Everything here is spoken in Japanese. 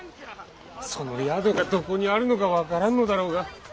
その宿がどこにあるのか分からんのだろうが。